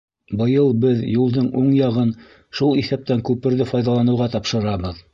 Быйыл беҙ юлдың уң яғын, шул иҫәптән күперҙе файҙаланыуға тапшырабыҙ.